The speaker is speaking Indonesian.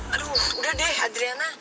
aduh udah deh adriana